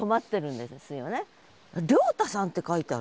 良太さんって書いてある。